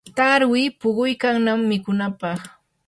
tarwi puquykannam mikunapaq.